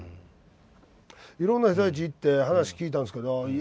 いろんな被災地行って話聞いたんすけどいや